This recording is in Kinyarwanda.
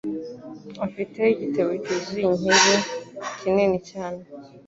Afite igitebo cyuzuye inkeri kinini cyane